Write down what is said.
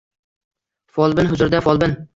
Folbin huzurida, folbin